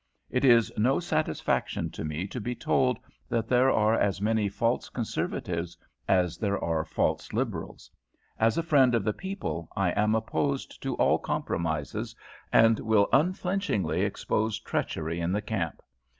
It is no satisfaction to me to be told that there are as many false Conservatives as there are false Liberals. As a friend of the people I am opposed to all compromises, and will unflinchingly expose treachery in the camp.